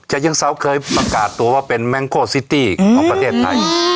เชิงเซาเคยประกาศตัวว่าเป็นแมงโคซิตี้ของประเทศไทย